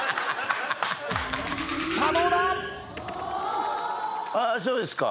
さあどうだ⁉あそうですか。